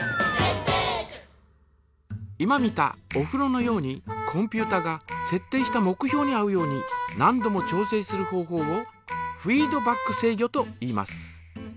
今見たおふろのようにコンピュータがせっ定した目標に合うように何度も調整する方法をフィードバック制御といいます。